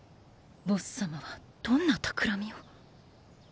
ボッス様はどんなたくらみを。